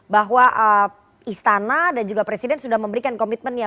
bahwa istana dan juga presiden sudah memberikan komitmennya